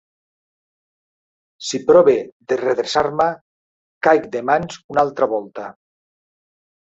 Si prove de redreçar-me, caic de mans una altra volta.